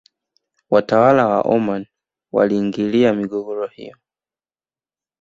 Watawala wa omani waliingilia migogoro hiyo